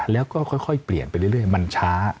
แล้วก็ค่อยเปลี่ยนไปเรื่อยมันช้า